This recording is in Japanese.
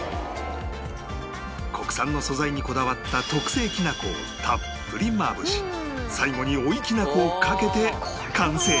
国産の素材にこだわった特製きなこをたっぷりまぶし最後に追いきなこをかけて完成